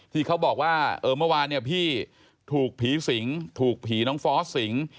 ที่เขาบอกว่าเออเมื่อวานเนี่ยพี่ถูกผีสิงถูกผีน้องฟอสสิง